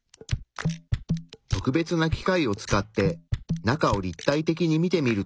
特別な機械を使って中を立体的に見てみると。